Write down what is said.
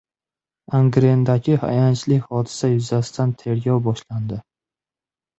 Angrendagi ayanchli hodisa yuzasidan tergov boshlandi